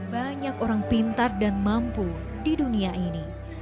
banyak orang pintar dan mampu di dunia ini